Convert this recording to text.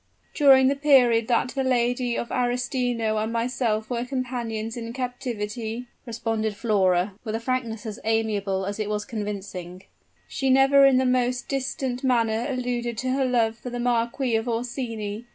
"During the period that the Lady of Arestino and myself were companions in captivity," responded Flora, with a frankness as amiable as it was convincing, "she never in the most distant manner alluded to her love for the Marquis of Orsini.